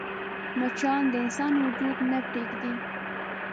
مچان د انسان وجود نه پرېږدي